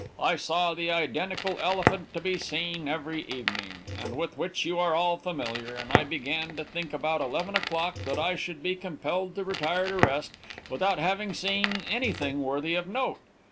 I saw the identical elephant to be seen every evening, and with which you are all familiar, and I began to think about eleven o'clock that I should be compelled to retire to rest without having seen anything worthy of note.